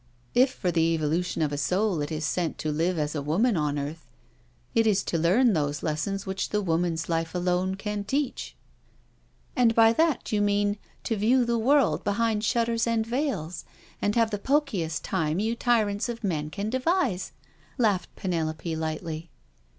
If for the evolution of a soul it is sent *to live as a woman on earth, it is to learn those lessons which the woman's life alone can teach.'* " And by that you mean to view the world behind shutters and veils, and have the pokiest time you tyrants of men can devise/' laughed Penelope lightly.